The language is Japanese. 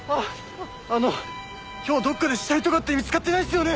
あの今日どっかで死体とかって見つかってないっすよね！？